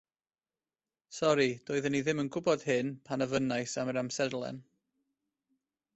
Sori doeddwn i ddim yn gwybod hyn pan ofynnais am yr amserlen